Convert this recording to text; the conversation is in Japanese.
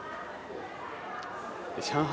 上海